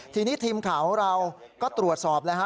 ทีนี้ทีมขาวเราก็ตรวจสอบแล้วครับ